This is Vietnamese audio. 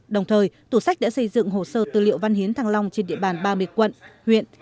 đồng thời tủ sách đã xây dựng hồ sơ tư liệu văn hiến thăng long trên địa bàn ba mươi quận huyện